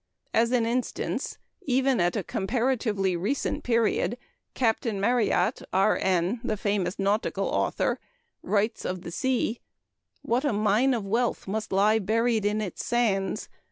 As an instance, even at a comparatively recent period, Captain Marryat, R.N., the famous nautical author, writes of the sea: "What a mine of wealth must lie buried in its sands.